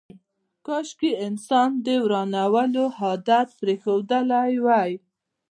کاشکي انسان د ورانولو عادت پرېښودلی وای.